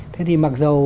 thế thì mặc dù cái